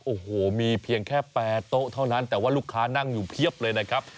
โอ้โหมีเพียงแค่๘โต๊ะเท่านั้นแต่ว่าลูกค้านั่งอยู่เพียบเลยนะครับ